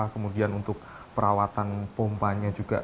kemudian untuk perawatan pompanya juga